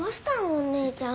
お姉ちゃん。